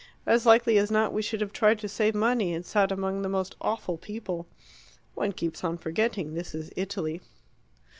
As likely as not, we should have tried to save money and sat among the most awful people. One keeps on forgetting this is Italy."